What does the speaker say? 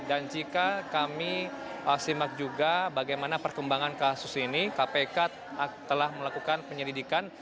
dan jika kami simak juga bagaimana perkembangan kasus ini kpk telah melakukan penyelidikan